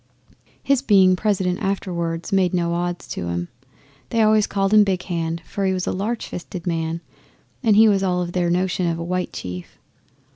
His being President afterwards made no odds to 'em. They always called him Big Hand, for he was a large fisted man, and he was all of their notion of a white chief.